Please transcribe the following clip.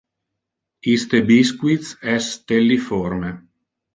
Iste biscuits es stelliforme.